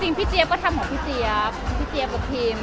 พี่เจี๊ยก็ทำของพี่เจี๊ยบพี่เจี๊ยบกับพิม